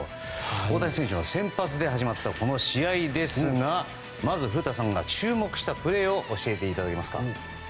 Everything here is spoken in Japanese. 大谷選手の先発で始まったこの試合ですがまず古田さんが注目したプレーを教えていただけますか。